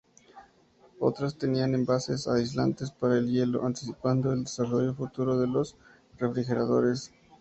Otras tenían envases aislantes para el hielo, anticipando el desarrollo futuro de los refrigeradores.